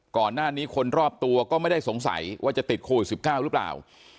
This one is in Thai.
ก่อนหน้านี้คนรอบตัวก็ไม่ได้สงสัยว่าจะติดโควิด๑๙หรือเปล่า